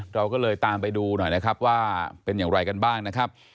เราก็เลยตามไปดูหน่อยนะครับว่าเป็นอย่างไรกันบ้างนะครับ